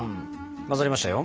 混ざりましたよ。